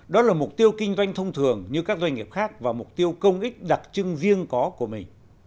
đó là mục tiêu kinh doanh thông thường như các doanh nghiệp khác và mục tiêu công ích đặc trưng riêng có của mình